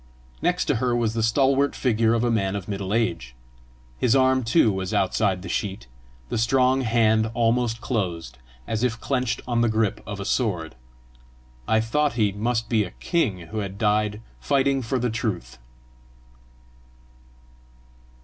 Next to her was the stalwart figure of a man of middle age. His arm too was outside the sheet, the strong hand almost closed, as if clenched on the grip of a sword. I thought he must be a king who had died fighting for the truth.